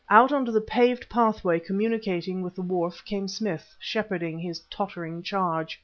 Out onto the paved pathway communicating with the wharf came Smith, shepherding his tottering charge.